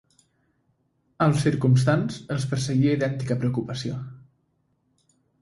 Als circumstants els perseguia idèntica preocupació